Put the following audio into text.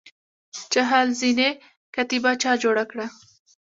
چهل زینې کتیبه چا جوړه کړه؟